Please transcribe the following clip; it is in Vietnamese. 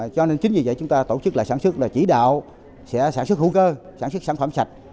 cho nên chính vì vậy chúng ta tổ chức lại sản xuất là chỉ đạo sẽ sản xuất hữu cơ sản xuất sản phẩm sạch